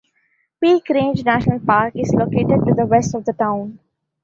Peak Range National Park is located to the west of the town.